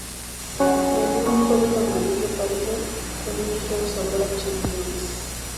Es un sólido amarillo pálido con un ligero sabor a champiñones.